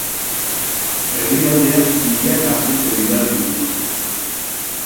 Herrialdeak milaka agente bidali ditu.